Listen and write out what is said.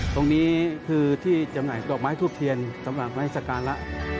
ตรงนี้คือที่จำหน่ายดอกไม้ทูบเทียนสำหรับไม้สการะ